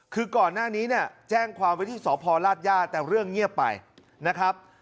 คือก่อนหน้านี้แจ้งความวิธีสอบภอร์ราชย่าแต่เรื่องเงียบไปนะครับ